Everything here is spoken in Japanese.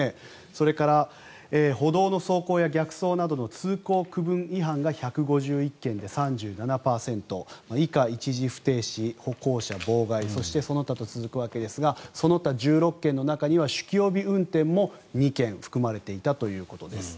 それから歩道の逆走や通行区分違反が１５１件で３７％以下、一時不停止歩行者妨害そしてその他と続くわけですがその他１６件の中には酒気帯び運転も２件含まれていたということです。